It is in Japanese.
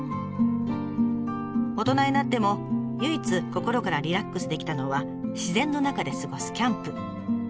大人になっても唯一心からリラックスできたのは自然の中で過ごすキャンプ。